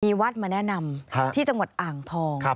มีวัดมาแนะนำที่จังหวัดอ่างทอง